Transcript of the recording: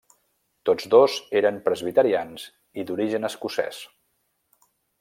Tots dos eren presbiterians i d'origen escocès.